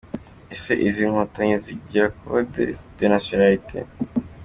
Ese izi nkotanyi zigira code de la nationalité ?